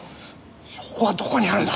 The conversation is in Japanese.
証拠はどこにあるんだ！